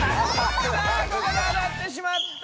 さあここであたってしまった！